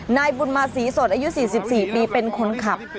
นายบุญมาศรีสดอายุ๔๔ปีเป็นคนขับ